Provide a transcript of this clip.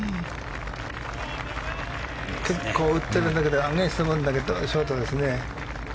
結構、打ってるんだけどアゲンストなんだけどショートですね。